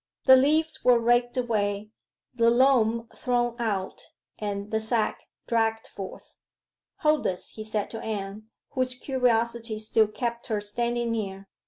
The leaves were raked away, the loam thrown out, and the sack dragged forth. 'Hold this,' he said to Anne, whose curiosity still kept her standing near.